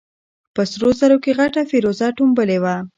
په سرو زرو کې غټه فېروزه ټومبلې وه.